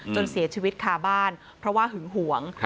จนเสียชีวิตคาบ้านเพราะว่าหึงหวง